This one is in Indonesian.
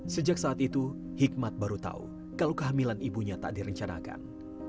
sejak saat itu hikmat baru tahu kalau kehamilan ibunya tak direncanakan